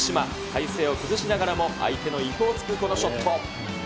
体勢を崩しながらも相手の意表をつくこのショット。